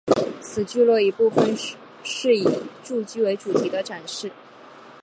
此聚落一部份是以住屋为主题的展示。